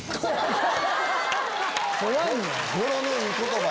語呂のいい言葉。